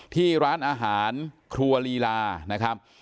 ที่ร้านอาหารครัวลีลานะครับ